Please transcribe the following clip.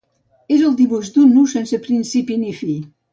És el dibuix d'un nus sense principi ni fi.